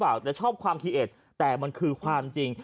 หรือเปล่าแต่ชอบความอืมแต่มันคือความจริง